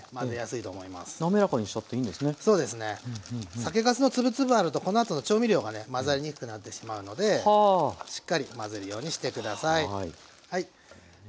酒かすのつぶつぶあるとこのあとの調味料がね混ざりにくくなってしまうのでしっかり混ぜるようにして下さい。